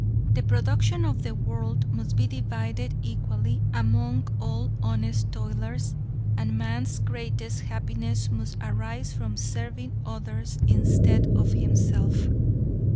The production of the world must be divided equally among all honest toilers and man's greatest happiness must arise from serving others instead of himself.